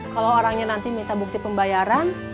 kalau orangnya nanti minta bukti pembayaran